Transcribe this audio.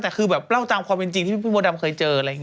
แต่คือแบบแบบเรากล้าตามความเป็นจริงที่พี่พี่มดดำเคยเจอ